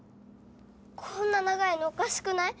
こんな長いのおかしくない？